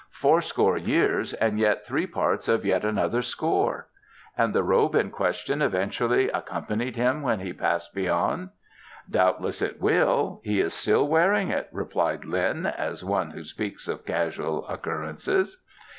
"Fourscore years and three parts of yet another score." "And the robe in question eventually accompanied him when he Passed Beyond?" "Doubtless it will. He is still wearing it," replied Lin, as one who speaks of casual occurrences.